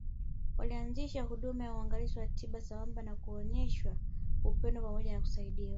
Waanzishiwe huduma ya uangalizi na tiba sambamba na kuonyeshwa upendo pamoja na kusaidiwa